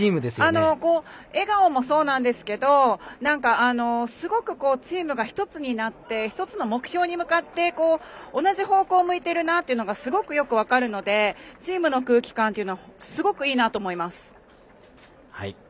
笑顔もそうなんですけどすごくチームが一つになって一つの目標に向かって同じ方向を向いているなというのが、すごく分かるのでチームの空気感というのはすごくいいなと思います。